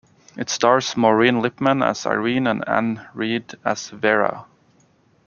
It stars Maureen Lipman as Irene and Anne Reid as Vera.